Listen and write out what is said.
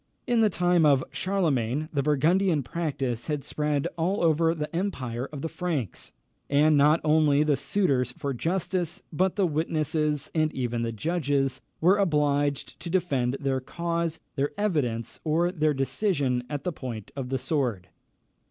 In the time of Charlemagne, the Burgundian practice had spread over the empire of the Francs, and not only the suitors for justice, but the witnesses, and even the judges, were obliged to defend their cause, their evidence, or their decision at the point of the sword.